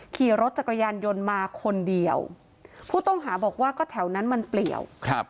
ขี่รถจักรยานยนต์มาคนเดียวผู้ต้องหาบอกว่าก็แถวนั้นมันเปลี่ยวครับ